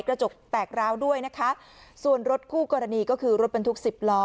กระจกแตกร้าวด้วยนะคะส่วนรถคู่กรณีก็คือรถบรรทุกสิบล้อ